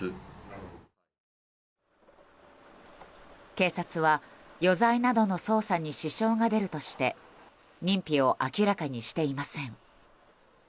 警察は、余罪などの捜査に支障が出るとして認否を明らかにしていません。